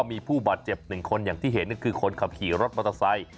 มีผู้บาดเจ็บ๑คนอย่างที่เห็นคือคนขับขี่รถมอเตอร์ไซค์